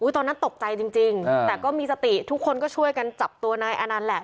ตอนนั้นตกใจจริงแต่ก็มีสติทุกคนก็ช่วยกันจับตัวนายอานันต์แหละ